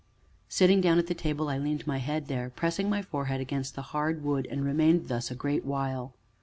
Sitting down at the table, I leaned my head there, pressing my forehead against the hard wood, and remained thus a great while.